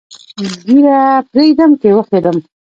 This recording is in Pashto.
ږیره پرېږدم که یې وخریم؟